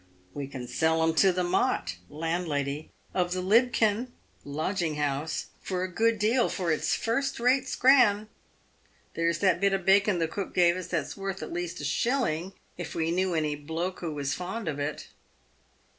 " "We can sell 'em to the ' mot' (landlady) of the l libb ken' (lodging house) for a good deal, for it's first rate ' scran.' There's that bit o' bacon the cook gave us that's worth at least a shilling, if we knew any * bloak' who was fond of it."